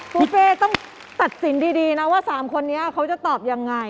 บุฟเฟ่ต้องตัดสินดีนะว่า๓คนนี้เขาจะตอบยังไง